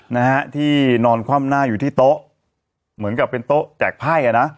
นะฮะที่นอนคว่ำหน้าอยู่ที่โต๊ะเหมือนกับเป็นโต๊ะแจกไพ่อะนะ